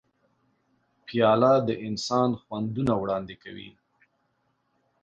پیاله د انسان خوندونه وړاندې کوي.